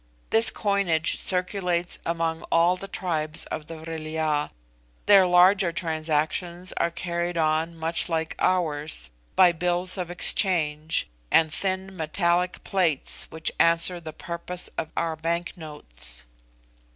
This coinage circulates among all the tribes of the Vril ya. Their larger transactions are carried on much like ours, by bills of exchange, and thin metallic plates which answer the purpose of our bank notes.